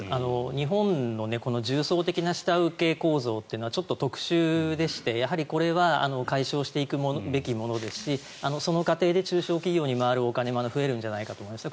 日本の重層的な下請け構造というのは特殊でして、これは解消していくべきものですしその過程で中小企業に回るお金も増えるんじゃないかと思います。